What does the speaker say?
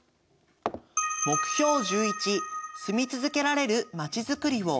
「住み続けられるまちづくりを」。